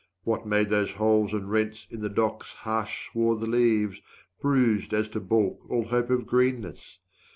What made those holes and rents In the dock's harsh swarth leaves, bruised as to balk 70 All hope of greenness?